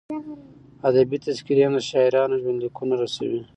ادبي تذکرې هم د شاعرانو ژوندلیکونه رسوي.